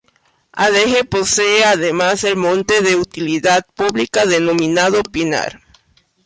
Adeje posee además el monte de utilidad pública denominado Pinar.